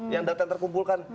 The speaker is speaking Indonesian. karena datanya fiktif semua ya